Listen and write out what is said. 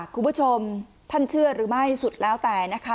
คุณผู้ชมท่านเชื่อหรือไม่สุดแล้วแต่นะคะ